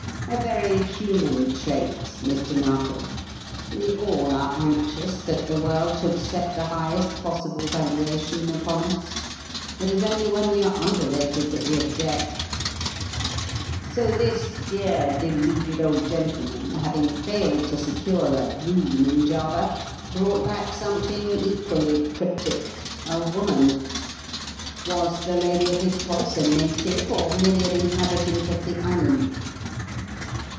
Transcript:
"A very human trait, Mr. Narkom. We all are anxious that the world should set the highest possible valuation upon us. It is only when we are underrated that we object. So this dear, deluded old gentleman, having failed to secure a 'rune' in Java, brought back something equally cryptic a woman? Was the lady of his choice a native or merely an inhabitant of the island?"